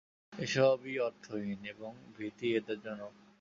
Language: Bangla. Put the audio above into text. এসবই অর্থহীন, এবং ভীতিই এদের জনক।